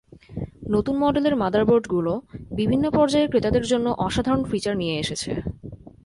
নতুন মডেলের মাদারবোর্ডগুলো বিভিন্ন পর্যায়ের ক্রেতাদের জন্য অসাধারণ ফিচার নিয়ে এসেছে।